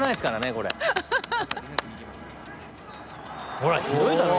ほらひどいだろう？